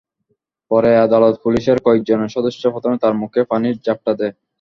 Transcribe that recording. পরে আদালত পুলিশের কয়েকজন সদস্য প্রথমে তাঁর মুখে পানির ঝাপটা দেয়।